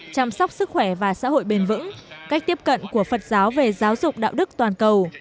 chăm sóc sức khỏe và xã hội bền vững cách tiếp cận của phật giáo về giáo dục đạo đức toàn cầu